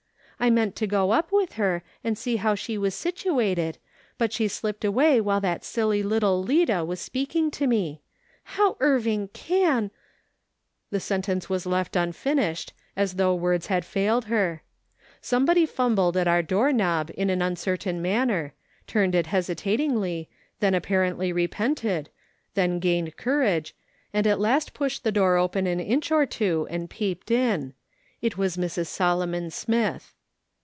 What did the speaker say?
I meant to go up with her, and see how she was situated, but she slipped away while that silly little Lida was talking to me. How Irving can —.'" The sentence was left unfinished, as though words had failed her. Somebody fumbled at our door knob in an uncertain manner, turned it hesitatingly, then apparently repented, then gained courage, and at last pushed the door open an inch or two and peeped in. It was Mrs. Solomon Smith.